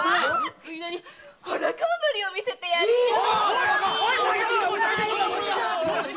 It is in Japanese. ついでに裸踊りを見せてやるよ！